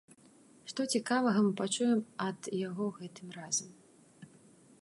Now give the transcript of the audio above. Што цікавага мы пачуем ад яго гэтым разам?